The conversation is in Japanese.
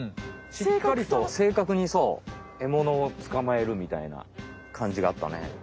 しっかりとせいかくにそうエモノをつかまえるみたいな感じがあったね。